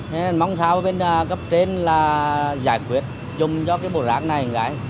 nên mong sao bên cấp trên là giải quyết chung cho cái bộ rác này